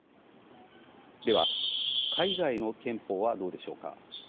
では、海外の憲法はどうでしょうか。